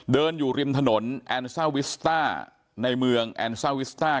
เดินอยู่ริมถนนแอนซ่าวิสต้าในเมืองแอนซ่าวิสต้า